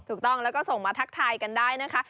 ถูกต้องแล้วก็ส่งมาทักทายกันได้นะคะ